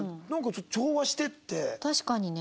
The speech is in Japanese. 確かにね。